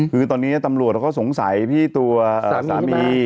คือตอนนี้ตำรวจเขาก็สงสัยพี่ตัวสามี